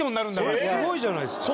それすごいじゃないですか。